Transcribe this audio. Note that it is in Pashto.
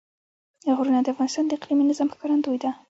غرونه د افغانستان د اقلیمي نظام ښکارندوی ده.